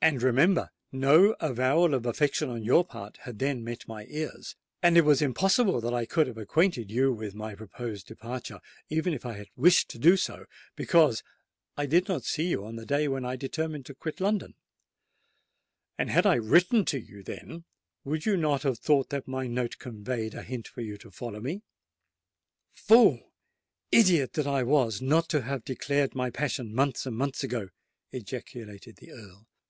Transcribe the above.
And remember—no avowal of affection on your part had then met my ears; and it was impossible that I could have acquainted you with my proposed departure, even if I had wished so to do—because I did not see you on the day when I determined to quit London: and had I written to you then, would you not have thought that my note conveyed a hint for you to follow me?" "Fool—idiot that I was not to have declared my passion months and months ago!" ejaculated the Earl.